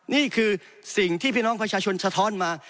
นี่คือสิ่งที่พี่น้องประชาชนสะท้อนมา